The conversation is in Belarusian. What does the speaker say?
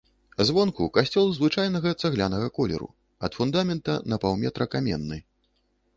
Звонку касцёл звычайнага цаглянага колеру, ад фундамента на паўметра каменны.